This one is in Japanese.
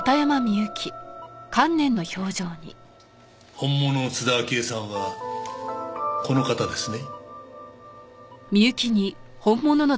本物の津田明江さんはこの方ですね？